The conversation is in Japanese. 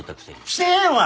してへんわ！